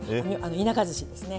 田舎寿司ですね。